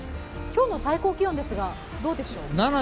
今日の最高気温ですが、どうでしょう？